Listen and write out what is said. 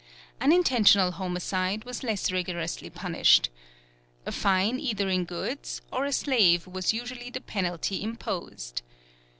Unintentional homicide was less rigorously punished. A fine either in goods or a slave was usually the penalty imposed.